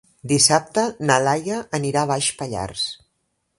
Dissabte na Laia anirà a Baix Pallars.